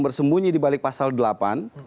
bersembunyi dibalik pasal delapan